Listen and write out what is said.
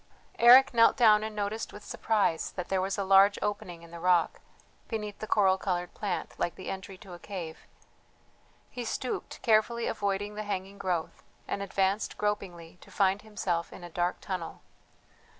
Eric knelt down and noticed with surprise that there was a large opening in the rock, beneath the coral coloured plant, like the entry to a cave; he stooped, carefully avoiding the hanging growth, and advanced gropingly to find himself in a dark tunnel.